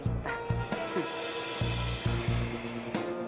dan sangat menikmati kalau juli itu menderita